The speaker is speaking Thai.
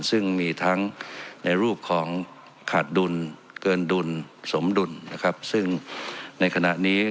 ซึ่งมีทั้งในรูปของขาดดุลเกินดุลสมดุลนะครับซึ่งในขณะนี้